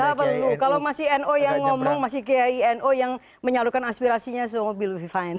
gak perlu kalau masih nu yang ngomong masih kiai nu yang menyalurkan aspirasinya semua will be fine